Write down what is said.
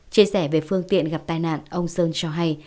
chia sẻ về phương tiện gặp tai nạn ông sơn cho hay